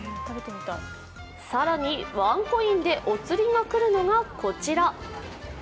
更に、ワンコインでお釣りがくるのがこちら。